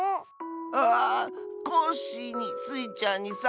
ああコッシーにスイちゃんにサボさん。